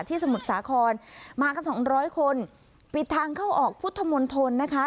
สมุทรสาครมากันสองร้อยคนปิดทางเข้าออกพุทธมนตรนะคะ